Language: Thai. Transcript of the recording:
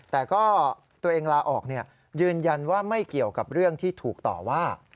แต่ก็ตัวเองลาออกยืนยันว่าไม่เกี่ยวกับเรื่องที่ถูกต่อว่า